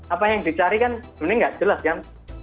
apa yang dicari kan sebenarnya nggak jelas kan